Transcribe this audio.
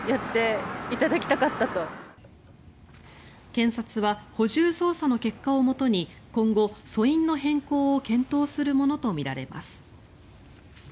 検察は補充捜査の結果をもとに今後、訴因の変更を検討するものとみられます。